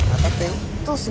どうする？